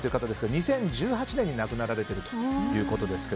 ２０１８年に亡くなられているということです。